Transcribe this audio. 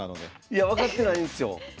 いや分かってないんですよ。